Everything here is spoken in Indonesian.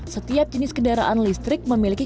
setiap jenis kendaraan listrik memiliki